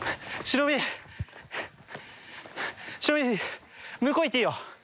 忍向こう行っていいよ。